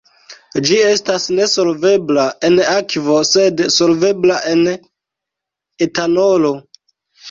Ĝi estas nesolvebla en akvo sed solvebla en etanolo.